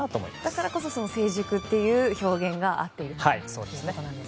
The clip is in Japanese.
だからこそ、成熟という表現が合っていると。